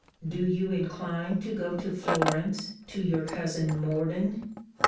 'Do you incline to go to Florence to your cousin Morden?